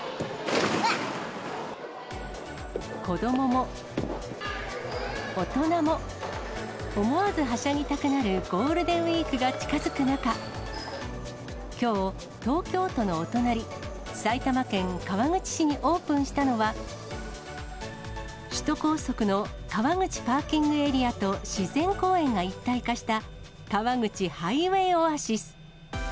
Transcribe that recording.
子どもも、大人も、思わずはしゃぎたくなるゴールデンウィークが近づく中、きょう、東京都のお隣、埼玉県川口市にオープンしたのは、首都高速の川口パーキングエリアと自然公園が一体化した、川口ハイウェイオアシス。